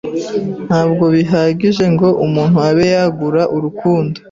ntabwo bihagije ngo umuntu abe yagura urukundo